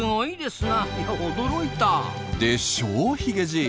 でしょうヒゲじい。